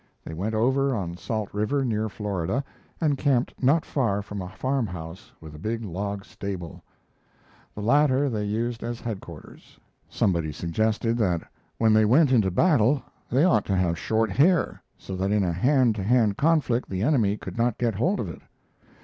They went over on Salt River, near Florida, and camped not far from a farm house with a big log stable; the latter they used as headquarters. Somebody suggested that when they went into battle they ought to have short hair, so that in a hand to hand conflict the enemy could not get hold of it.